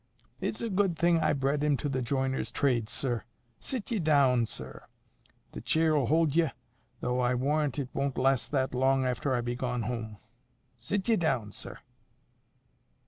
It's a good thing I bred him to the joiner's trade, sir. Sit ye down, sir. The cheer'll hold ye, though I warrant it won't last that long after I be gone home. Sit ye down, sir."